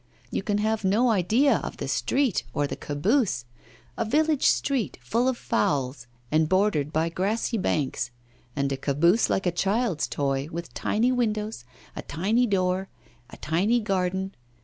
You can have no idea of the street or the caboose: a village street, full of fowls, and bordered by grassy banks; and a caboose like a child's toy, with tiny windows, a tiny door, a tiny garden.